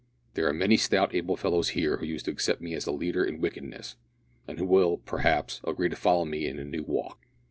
"There are many stout able fellows here who used to accept me as a leader in wickedness, and who will, perhaps, agree to follow me in a new walk.